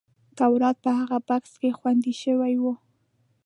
تورات په هغه بکس کې خوندي شوی و.